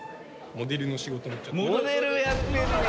モデルやってんねや。